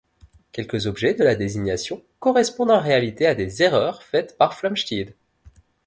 Quelques objets de la désignation correspondent en réalité à des erreurs faites par Flamsteed.